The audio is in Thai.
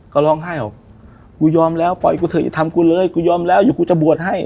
ก็ร้องไห้บอกกูยอมแล้วปล่อยกูเถอยทำกูเลยกูยอมแล้วเดี๋ยวกูจะบวชให้